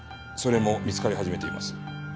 それも見つかり始めています。